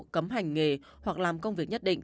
cấm hành nghề hoặc làm công việc nhất định